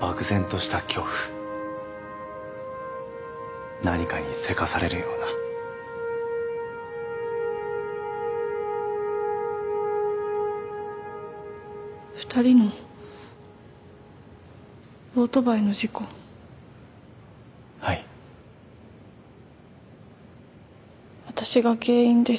漠然とした恐怖何かにせかされるような２人のオートバイの事故はい私が原因です